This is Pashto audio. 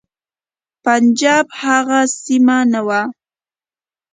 پنجاب هغه سیمه نه وه.